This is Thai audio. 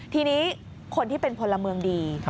ทีนี้คนที่เป็นพลเมืองดี